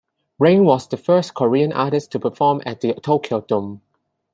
Rain was the first Korean artist to perform at the Tokyo Dome.